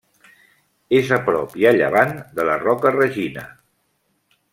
És a prop i a llevant de la Roca Regina.